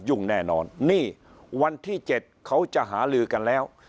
่งแน่นอนนี่วันที่๗เขาจะหาลือกันแล้ว